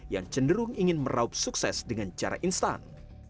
yang cenderung ingin meraup sukses dengan cara instan